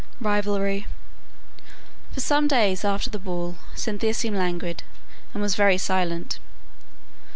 RIVALRY. For some days after the ball Cynthia seemed languid, and was very silent.